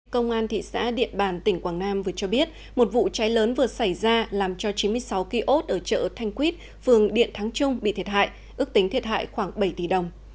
công an thị xã điện bàn tỉnh quảng nam vừa cho biết một vụ cháy lớn vừa xảy ra làm cho chín mươi sáu kiosk ở chợ thanh quýt phường điện thắng trung bị thiệt hại ước tính thiệt hại khoảng bảy tỷ đồng